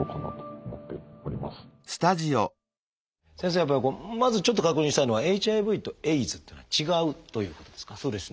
やっぱりまずちょっと確認したいのはＨＩＶとＡＩＤＳっていうのは違うということですか？